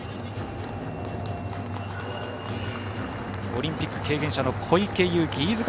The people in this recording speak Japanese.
オリンピック経験者の小池祐貴飯塚